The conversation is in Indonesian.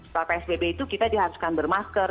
kalau psbb itu kita diharuskan bermasker